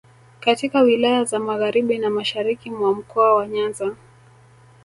katika wilaya za magharibi na mashariki mwa Mkoa wa Nyanza